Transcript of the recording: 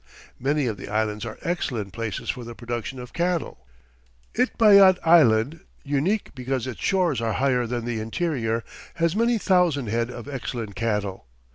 Many of the islands are excellent places for the production of cattle. Itbayat Island, unique because its shores are higher than the interior, has many thousand head of excellent cattle.